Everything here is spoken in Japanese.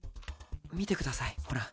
見てくださいほら。